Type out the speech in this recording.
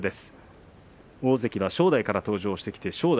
大関は正代から登場します。